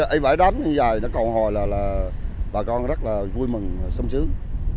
ấy bãi đám như vậy nó cầu hồi là bà con rất là vui mừng sống sướng